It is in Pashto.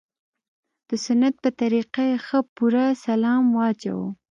د سنت په طريقه يې ښه پوره سلام واچاوه.